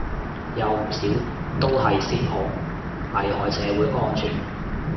有唔少都係涉恐，危害社會安全